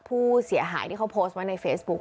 ผู้เสียหายที่เขาโพสต์ไว้ในเฟซบุ๊ค